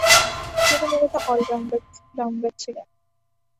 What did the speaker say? তিনি মূলতঃ অল-রাউন্ডার ছিলেন।